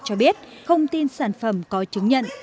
cho biết thông tin sản phẩm có chứng nhận